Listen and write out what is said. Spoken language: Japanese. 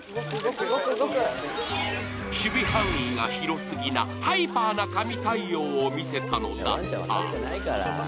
守備範囲が広すぎなハイパーな神対応を見せたのだった。